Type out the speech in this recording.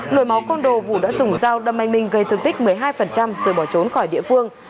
nổi máu con đồ vũ đã dùng dao đâm anh minh gây thương tích một mươi hai rồi bỏ trốn khỏi địa phương